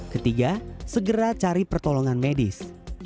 ketiga segera cari pertolongan medis